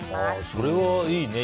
それはいいね。